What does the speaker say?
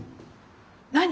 何？